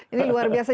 ini luar biasa